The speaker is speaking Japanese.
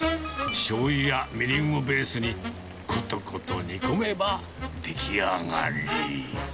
しょうゆやみりんをベースに、ことこと煮込めば出来上がり。